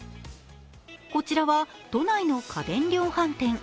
こちらは都内の家電量販店。